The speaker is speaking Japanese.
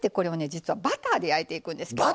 実はバターで焼いていくんです今日。